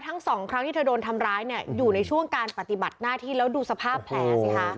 ทั้งสองครั้งที่เธอโดนทำร้ายเนี่ยอยู่ในช่วงการปฏิบัติหน้าที่แล้วดูสภาพแผลสิคะ